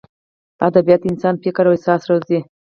ادبیات د انسان فکر او احساس روزي.